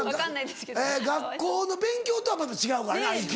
学校の勉強とはまた違うからなＩＱは。